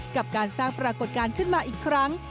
กับการสร้างปรากฏการณ์ขึ้นมาอีกครั้ง